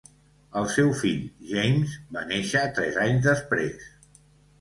El seu fill James va néixer tres anys després.